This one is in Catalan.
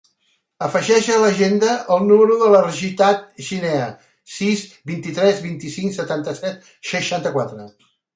Afegeix a l'agenda el número de la Ritaj Chinea: sis, vint-i-tres, vint-i-cinc, setanta-set, seixanta-quatre.